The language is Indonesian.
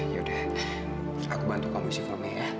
ya udah aku bantu kamu isi kromnya ya